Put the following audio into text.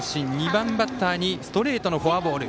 ２番バッターにストレートのフォアボール。